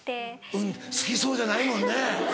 うん好きそうじゃないもんね。